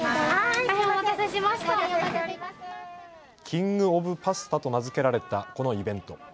キングオブパスタと名付けられたこのイベント。